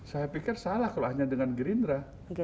saya pikir salah kalau hanya dengan gerindra